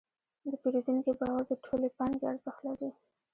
د پیرودونکي باور د ټولې پانګې ارزښت لري.